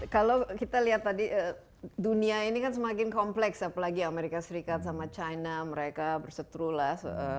kalau kita lihat tadi dunia ini kan semakin kompleks apalagi amerika serikat sama china mereka berseturu lah